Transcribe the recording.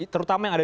terutama yang ada